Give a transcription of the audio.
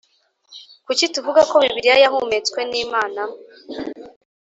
Kuki tuvuga ko Bibiliya yahumetswe n Imana